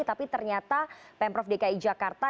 tapi ternyata pemprov dki jakarta